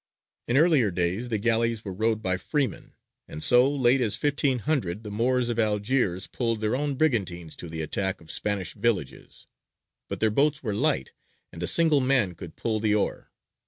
In earlier days the galleys were rowed by freemen, and so late as 1500 the Moors of Algiers pulled their own brigantines to the attack of Spanish villages, but their boats were light, and a single man could pull the oar.